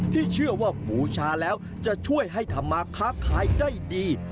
ที่เชื่อว่าบูชาแล้วจะช่วยให้ทำมาค้าขายได้ดี